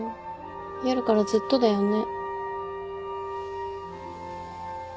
夜からずっとだよね。